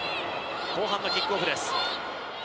後半のキックオフです。